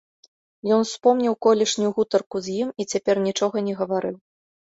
Ён успомніў колішнюю гутарку з ім і цяпер нічога не гаварыў.